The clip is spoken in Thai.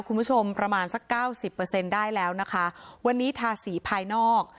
คุณผู้ชมประมาณสักเก้าสิบเปอร์เซ็นต์ได้แล้วนะคะวันนี้ทาสีภายนอก